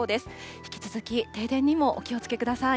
引き続き停電にもお気をつけください。